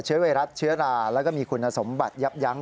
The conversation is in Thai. ไวรัสเชื้อราแล้วก็มีคุณสมบัติยับยั้ง